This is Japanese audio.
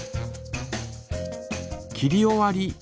切り終わり。